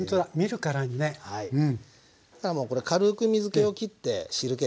そしたらもう軽く水けをきって汁けですね